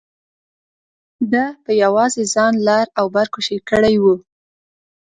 ده په یوازې ځان لر او بر کوشیر کړی و.